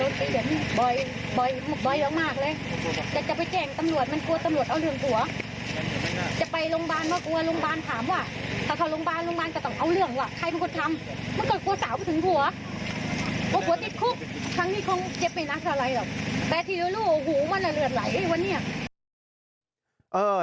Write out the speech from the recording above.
แต่ทีละลูกโอ้โหมันละเลือดไหลเอ้ยว่าเนี่ย